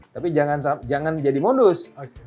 tapi jangan jadi modus